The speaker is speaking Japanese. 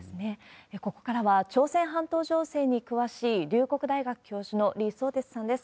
ここからは、朝鮮半島情勢に詳しい、龍谷大学教授の李相哲さんです。